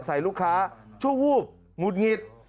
ใส่ลูกค้าชั่ววูบหงุดหงิด